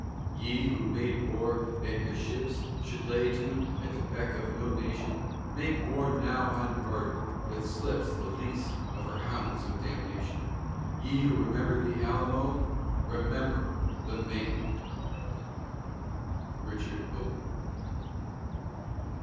Ye who made war that your ships Should lay to at the beck of no nation, Make war now on Murder, that slips The leash of her hounds of damnation! Ye who remembered the Alamo, Remember the Maine! RICHARD HOVEY.